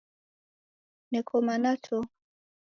Neko mana to!